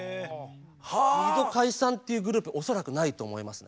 ２度解散っていうグループ恐らくないと思いますね。